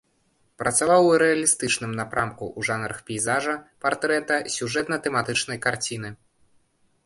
Працаваў у рэалістычным напрамку, у жанрах пейзажа, партрэта, сюжэтна-тэматычнай карціны.